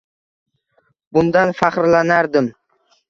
Bundan faxrlanardim.